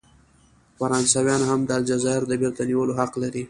فرانسویان هم د الجزایر د بیرته نیولو حق لري.